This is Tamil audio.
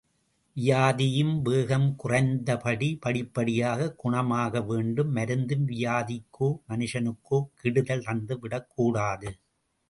வியாதியும் வேகம் குறைந்து படிப்படியாகக் குணமாக வேண்டும் மருந்தும் வியாதிக்கோ மனுஷனுக்கோ கெடுதல் தந்து விடக் கூடாது.